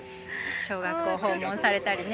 小学校訪問されたりね。